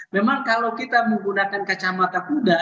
memang kalau kita menggunakan kacamata kuda